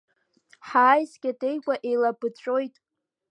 Ҳаи, скьатеиқәа еилаԥыҵәҵәоит!